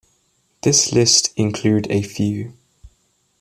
This list include a few.